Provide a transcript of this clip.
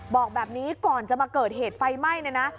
บอกแบบนี้ก่อนจะมาเกิดเหตุไฟไหม้เนี่ยนะ